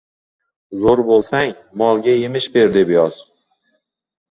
Zo‘r bo‘lsang, molga yemish ber, deb yoz!